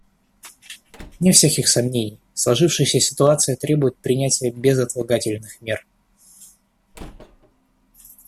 Вне всяких сомнений, сложившаяся ситуация требует принятия безотлагательных мер.